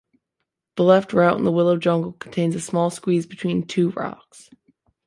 The left rout in the Willow jungle contains a small squeeze between two rocks.